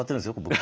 僕。